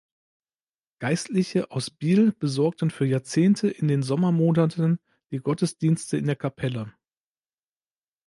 Geistliche aus Biel besorgten für Jahrzehnte in den Sommermonaten die Gottesdienste in der Kapelle.